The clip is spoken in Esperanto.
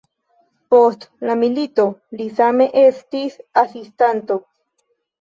Post la milito li same estis asistanto.